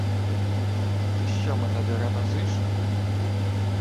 — Ти що мене деремезиш?